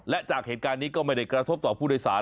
และจากเหตุการณ์นี้ก็ไม่ได้กระทบต่อผู้โดยสาร